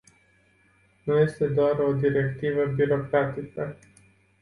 Nu este doar o directivă birocratică.